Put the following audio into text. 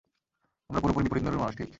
আমরা পুরোপুরি বিপরীত মেরুর মানুষ, ঠিক?